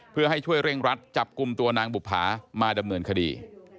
เพื่อให้ช่วยเร่งรัดจับกลุ่มตัวนางบุภามาดำเนินคดี